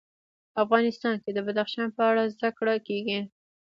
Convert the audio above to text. افغانستان کې د بدخشان په اړه زده کړه کېږي.